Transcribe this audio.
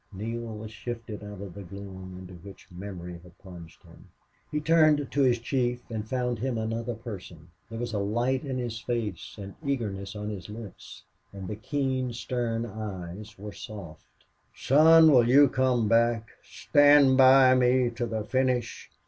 Neale was lifted out of the gloom into which memory had plunged him. He turned to his chief and found him another person. There was a light on his face and eagerness on his lips, and the keen, stern eyes were soft. "Son, will you come back stand by me till the finish?"